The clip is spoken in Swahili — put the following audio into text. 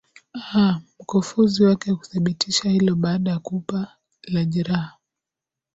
aa mkufuzi wake kuthibitisha hilo baada ya kupa la jiraha